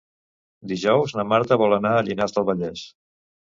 Dijous na Marta vol anar a Llinars del Vallès.